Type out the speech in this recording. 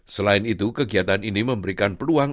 selain itu kegiatan ini memberikan peluang